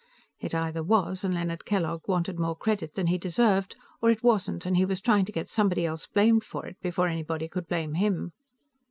It either was and Leonard Kellogg wanted more credit than he deserved or it wasn't and he was trying to get somebody else blamed for it before anybody could blame him.